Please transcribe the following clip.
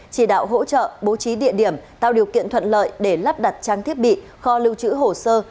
chỉ đạo hỗ trợ bố trí địa điểm tạo điều kiện thuận lợi để lắp đặt trang thiết bị kho lưu trữ hồ sơ